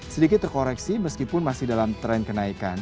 sedikit terkoreksi meskipun masih dalam tren kenaikan